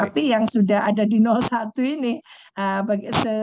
tapi yang sudah ada di satu ini